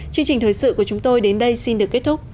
chương trình thời sự của chúng tôi đến đây xin được kết thúc